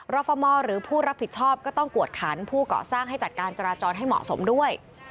ฟมหรือผู้รับผิดชอบก็ต้องกวดขันผู้เกาะสร้างให้จัดการจราจรให้เหมาะสมด้วย